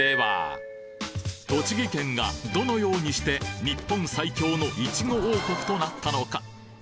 栃木県がどのようにして日本最強のいちご王国となったのか？